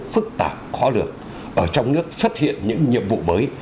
phức tạp khó lược ở trong nước xuất hiện những nhiệm vụ mới